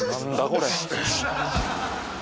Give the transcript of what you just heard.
これ。